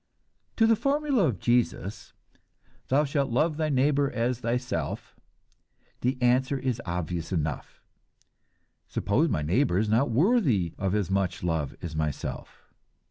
To the formula of Jesus, "Thou shalt love thy neighbor as thyself," the answer is obvious enough: "Suppose my neighbor is not worthy of as much love as myself?"